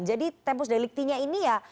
jadi tempus deliktinya ini ya